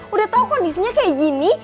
udah tahu kondisinya kayak gini